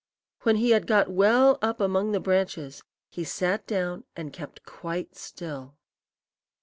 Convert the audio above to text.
When he had got well up among the branches, he sat down and kept quite still.